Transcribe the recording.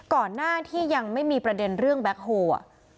ก่อนหน้าที่ยังไม่มีประเด็นเรื่องแบ็คโฮลอ่ะ